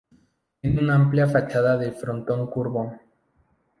Tiene una amplia fachada de frontón curvo.